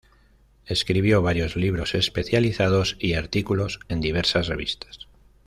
Escribió varios libros especializados y artículos en diversas revistas.